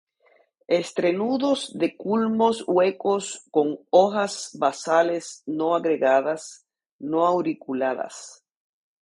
Entrenudos de culmos huecos con hojas basales no agregadas; no auriculadas.